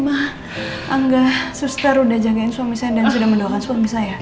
angga suster udah jagain suami saya dan sudah mendoakan suami saya